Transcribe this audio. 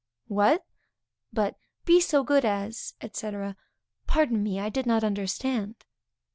What?_ but, Be so good as, &c. _Pardon me, I did not understand.